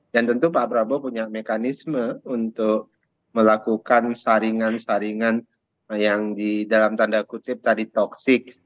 dan tentu pak prabowo punya mekanisme untuk melakukan saringan saringan yang di dalam tanda kutip tadi toksik